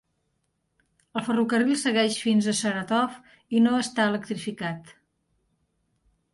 El ferrocarril segueix fins a Saratov i no està electrificat.